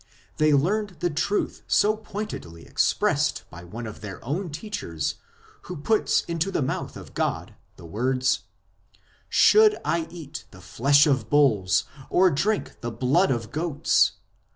They learned the truth so pointedly expressed by one of their own teachers, who puts into the mouth of God the words : Should I eat the flesh of bulls, Or drink the blood of goats